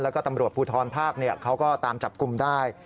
แล้วก็ตำรวจภูทรภาคเขาก็ตามจับกลุ่มได้